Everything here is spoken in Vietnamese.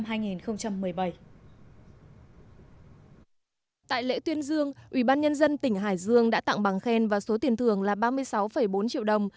tại lễ tuyên dương ubnd tỉnh hải dương đã tặng bằng khen và số tiền thưởng là ba mươi sáu bốn triệu đồng